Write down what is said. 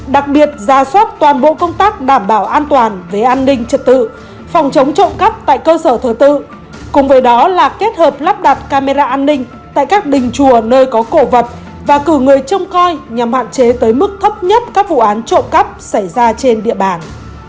đặc biệt ra soát toàn bộ công tác đảm bảo an toàn về an ninh trật tự phòng chống trộm cắp tại cơ sở thờ tự cùng với đó là kết hợp lắp đặt camera an ninh tại các đình chùa nơi có cổ vật và cử người trông coi nhằm hạn chế tới mức thấp nhất các vụ án trộm cắp xảy ra trên địa bàn